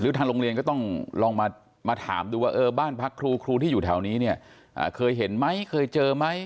ทางโรงเรียนก็ต้องลองมาถามดูว่าบ้านพักครูที่อยู่แถวนี้เนี่ยเคยเห็นไหมเคยเจอไหม